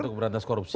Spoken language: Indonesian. untuk berantas korupsi